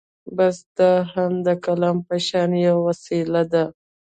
بس دا هم د قلم په شان يوه وسيله ده.